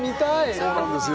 そうなんですよ